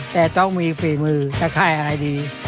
แต่ต้องมีฝีมือตะค่ายอะไรดี